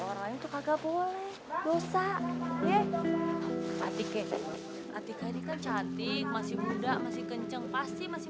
orang itu kagak boleh dosa ya mati kek mati kek ini kecantik masih muda masih kenceng pasti masih